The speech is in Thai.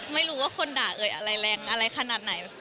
ไม่รู้ว่าคนด่าเอ่ยอะไรแรงอะไรขนาดไหน